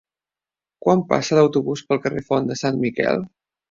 Quan passa l'autobús pel carrer Font de Sant Miquel?